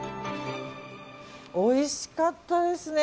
おいしかったですね。